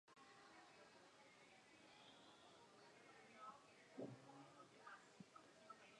La expresión vocal de Huey impresionó a Sergio, quien lo acogió bajo su tutela.